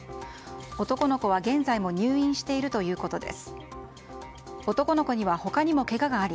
男の子は現在も入院しているということです。